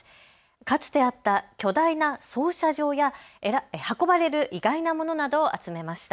かつてあった巨大な操車場や運ばれる意外なものも集めました。